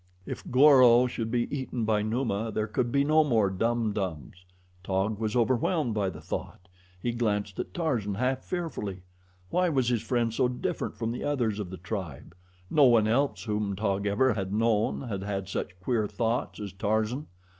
If Goro should be eaten by Numa there could be no more Dum Dums. Taug was overwhelmed by the thought. He glanced at Tarzan half fearfully. Why was his friend so different from the others of the tribe? No one else whom Taug ever had known had had such queer thoughts as Tarzan.